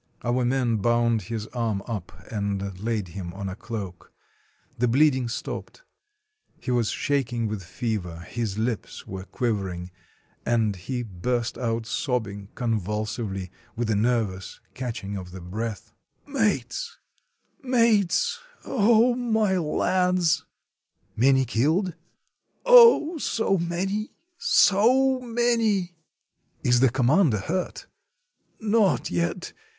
Our men bound his arm up and laid him on a cloak; the bleeding stopped. He was shaking with fever; his lips were quivering, and he burst out sobbing convulsively, with a nervous catch ing of the breath. 214 THE TAKING OF THE VH^LAGE "Mates, .. mates! ... Oh, my lads!" "Many killed?" "Oh, so many — so many! " "Is the commander hurt?" "Not yet.